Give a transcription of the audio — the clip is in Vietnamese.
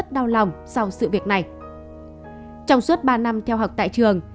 trong suốt ba năm theo học tại trường